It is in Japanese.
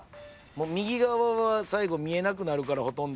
右側は最後見えなくなるからほとんど。